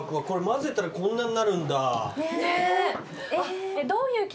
これ混ぜたらこんなになるんだ。ねぇ。